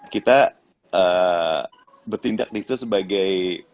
kita bertindak disitu sebagai